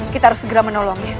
kita harus segera menolongnya